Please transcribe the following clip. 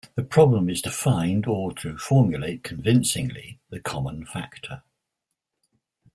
The problem is to find, or to formulate, convincingly, the common factor.